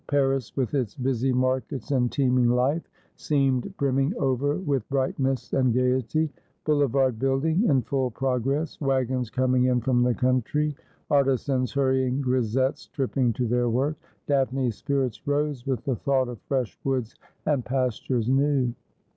Paris, with its busy markets and teeming life, seemed brimming over with brightness and gaiety ; boulevard building in full progress ; waggons coming in from the country ; artisans hurrying, grisettes tripping to their work. Daphne's spirits rose with the thought of fresh woods and pas tures new.